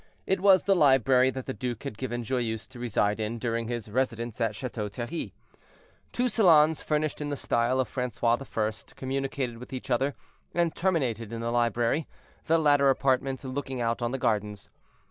It was the library that the duke had given Joyeuse to reside in during his residence at Chateau Thierry. Two salons, furnished in the style of Francois the First, communicated with each other, and terminated in the library, the latter apartment looking out on the gardens.